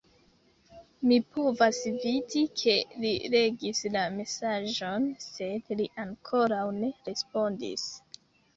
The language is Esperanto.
Mi povas vidi, ke li legis la mesaĝon, sed li ankoraŭ ne respondis.